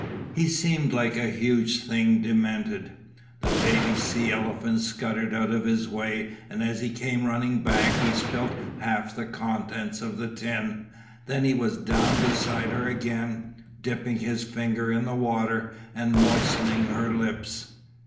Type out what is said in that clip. He seemed like a huge thing demented. The baby sea elephants scuttered out of his way and as he came running back he spilt half the contents of the tin. Then he was down beside her again, dipping his finger in the water and moistening her lips.